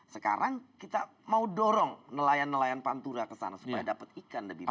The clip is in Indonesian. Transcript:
sekarang kita mau dorong nelayan nelayan pantura kesana supaya dapat ikan lebih banyak